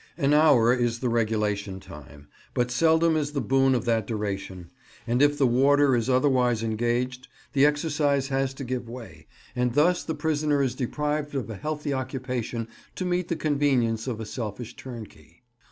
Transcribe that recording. An hour is the regulation time, but seldom is the boon of that duration; and if the warder is otherwise engaged, the exercise has to give way, and thus the prisoner is deprived of a healthy occupation to meet the convenience of a selfish turnkey.